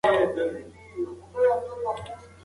ثمرګل وویل چې د ځمکې پالل د انسان روح ته ارامتیا بښي.